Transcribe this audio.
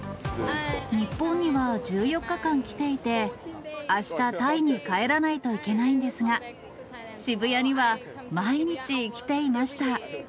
日本には１４日間来ていて、あした、タイに帰らないといけないんですが、渋谷には毎日来ていました。